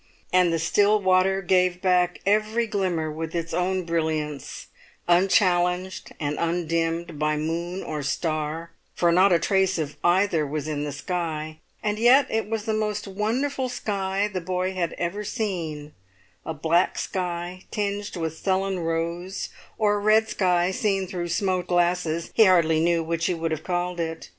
And the still water gave back every glimmer with its own brilliance, unchallenged and undimmed by moon or star, for not a trace of either was in the sky; and yet it was the most wonderful sky the boy had ever seen—a black sky tinged with sullen rose, or a red sky seen through smoked glasses, he hardly knew which he would have called it.